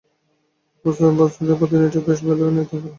বন্ডটির প্রতিটি ইউনিটের face value নির্ধারণ করা হয়েছে এক হাজার টাকা।